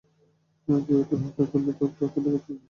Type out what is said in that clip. কেউ তোর উপর হাত তুললে, উল্টো প্রতিঘাত করবি।